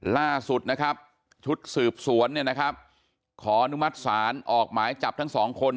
ล่าสุดชุดสืบสวนขอนุมัติศาลออกหมายจับทั้ง๒คน